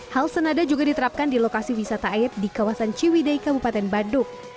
hal senada juga diterapkan di lokasi wisata aib di kawasan ciwidei kabupaten bandung